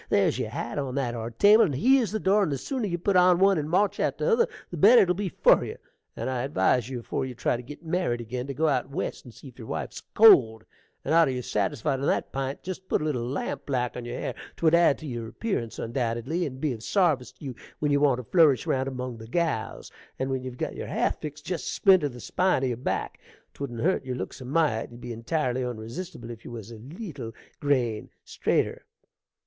There's your hat on that are table, and here's the door; and the sooner you put on one and march out o' t'other the better it will be for you. And I advise you, afore you try to git married ag'in, to go out West and see 'f yer wife's cold; and arter yer satisfied on that p'int, jest put a little lampblack on yer hair, 'twould add to yer appearance, undoubtedly, and be of sarvice tew you when you want to flourish round among the gals; and when ye've got yer hair fixt, jest splinter the spine o' your back, 'twouldn't hurt your looks a mite: you'd be intirely unresistible if you was a leetle grain straiter.